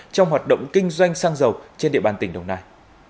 trong hoạt động kinh doanh xăng dầu trên địa bàn tỉnh đồng nai